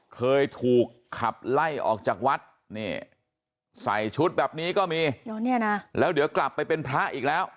เคยถูกขับไล่ออกจากวัดนี่ใส่ชุดแบบนี้ก็มีแล้วเดี๋ยวกลับไปเป็นพระอีกแล้ว